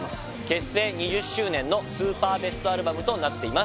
結成２０周年のスーパーベストアルバムとなっています